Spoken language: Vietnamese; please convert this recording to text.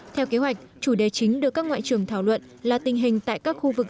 theo kế hoạch chủ đề chính được các ngoại trưởng thảo luận là tình hình tại các khu vực